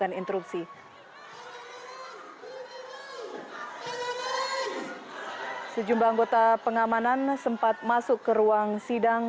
sejumlah anggota pengamanan sempat masuk ke ruang sidang